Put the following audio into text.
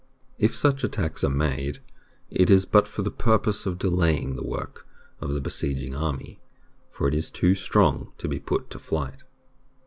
If such attacks are made, it is but for the purpose of delaying the work of the besieging army, for it is too strong to be put to flight.